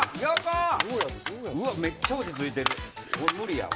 めっちゃ落ち着いてるな。